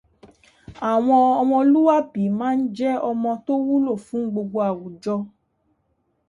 Àwọn ọmọlúàbí máa ń jẹ́ ọmọ tó wúlò fún gbogbo àwùjọ